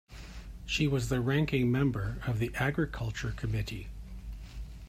She was the Ranking Member of the Agriculture Committee.